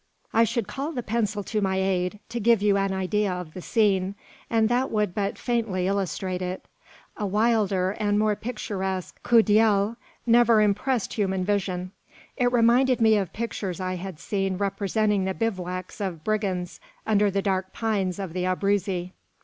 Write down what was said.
I should call the pencil to my aid to give you an idea of the scene, and that would but faintly illustrate it. A wilder and more picturesque coup d'oeil never impressed human vision. It reminded me of pictures I had seen representing the bivouacs of brigands under the dark pines of the Abruzzi.